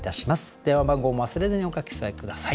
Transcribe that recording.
電話番号も忘れずにお書き添え下さい。